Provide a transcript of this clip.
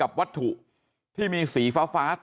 แล้วก็ยัดลงถังสีฟ้าขนาด๒๐๐ลิตร